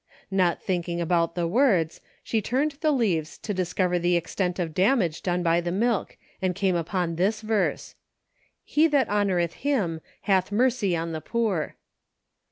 Not thinking about the words, she turned the leaves to discover the extent of damage done by the milk, and came upon this verse, " He that honoreth Him hath mercy on the poor."